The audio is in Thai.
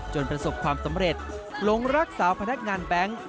ประสบความสำเร็จหลงรักสาวพนักงานแบงค์